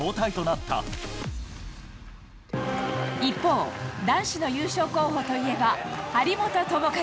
一方、一方、男子の優勝候補といえば、張本智和。